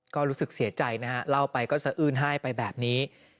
ก็รู้สึกเสียใจนะฮะเล่าไปก็สะอื้นไห้ไปแบบนี้